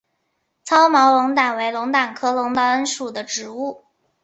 糙毛龙胆为龙胆科龙胆属的植物。